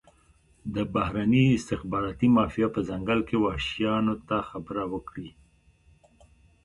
د بهرني استخباراتي مافیا په ځنګل کې وحشیانو ته خبره وکړي.